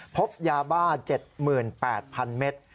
พบยาบ้า๗๘๐๐๐เมตร